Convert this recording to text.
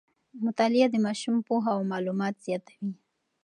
مطالعه د ماشوم پوهه او معلومات زیاتوي.